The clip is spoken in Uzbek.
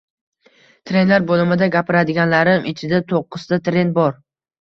Trendlar boʻlimida gapiradiganlarim ichida toʻqqizta trend bor